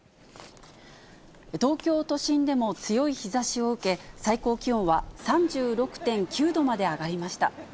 東京都心でも強い日ざしを受け、最高気温は３６．９度まで上がりました。